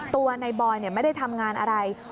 ตัวนายบอยไม่ได้ทำงานอะไร